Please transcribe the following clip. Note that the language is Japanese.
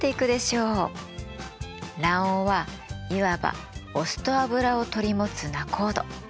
卵黄はいわばお酢と油を取り持つ仲人。